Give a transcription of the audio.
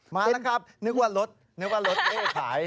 มานะครับนึกว่ารถนึกว่ารถเอ้ยขาย